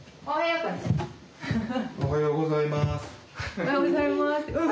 「おはようございます」って。